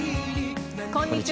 こんにちは。